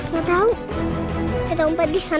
matan batu kita